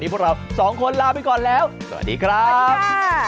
ถูกต้องแล้วค่ะได้ครับ